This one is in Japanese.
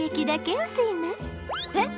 えっ！？